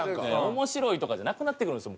面白いとかじゃなくなってくるんですよ